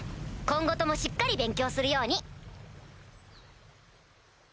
今後ともしっかり勉強するように！